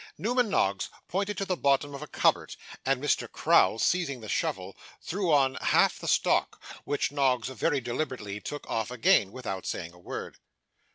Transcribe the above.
Newman Noggs pointed to the bottom of a cupboard, and Mr. Crowl, seizing the shovel, threw on half the stock: which Noggs very deliberately took off again, without saying a word.